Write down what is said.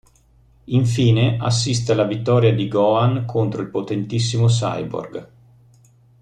Infine, assiste alla vittoria di Gohan contro il potentissimo cyborg.